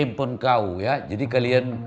himpun kau ya jadi kalian